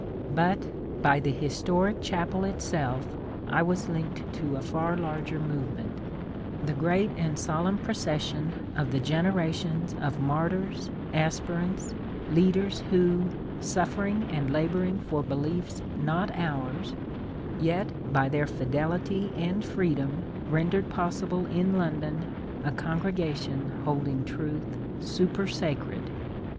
But by the historic chapel itself I was linked to a far larger movement, — the great and solenm procession of the genera tions of martyrs, aspirants, leaders who, suffering and labour ing for beliefs not ours, yet by their fidelity and freedom rendered possible in London a congregation holding truth supersacred.